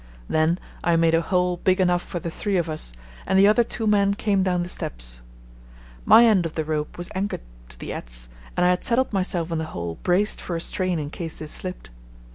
Then I made a hole big enough for the three of us, and the other two men came down the steps. My end of the rope was anchored to the adze and I had settled myself in the hole braced for a strain in case they slipped.